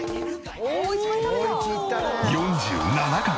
４７貫！